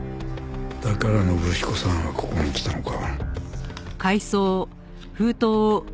だから信彦さんはここに来たのか。